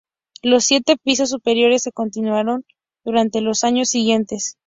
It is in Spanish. Los siete pisos superiores se continuaron durante los años siguientes.